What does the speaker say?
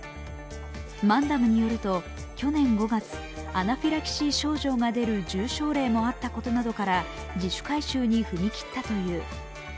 マンダムによると、去年５月、アナフィラキシー症状が出る重症例もあったことなどから、自主回収に踏み切ったという。